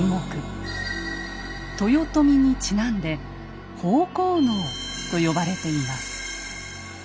豊臣にちなんで「豊公能」と呼ばれています。